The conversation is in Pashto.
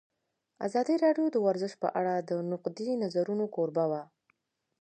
ازادي راډیو د ورزش په اړه د نقدي نظرونو کوربه وه.